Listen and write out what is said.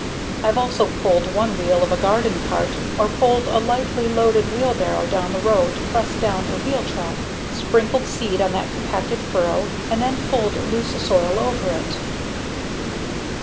I've also pulled one wheel of a garden cart or pushed a lightly loaded wheelbarrow down the row to press down a wheel track, sprinkled seed on that compacted furrow, and then pulled loose soil over it.